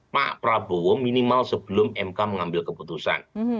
mak prabowo minimal sebelum mk mengambil keputusan